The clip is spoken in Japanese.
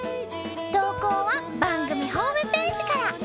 投稿は番組ホームページから。